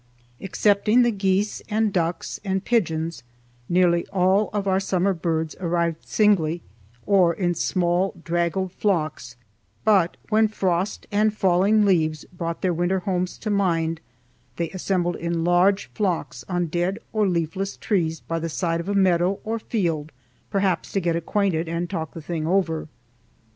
Excepting the geese and ducks and pigeons nearly all our summer birds arrived singly or in small draggled flocks, but when frost and falling leaves brought their winter homes to mind they assembled in large flocks on dead or leafless trees by the side of a meadow or field, perhaps to get acquainted and talk the thing over.